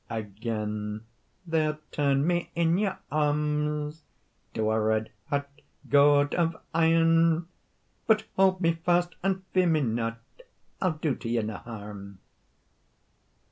"Again they'll turn me in your arms To a red het gaud of airn; But hold me fast, and fear me not, I'll do to you nae harm.